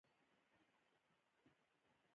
ایا له میرمنې سره وینئ؟